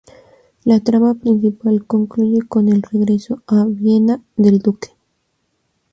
La trama principal concluye con el "regreso" a Viena del duque.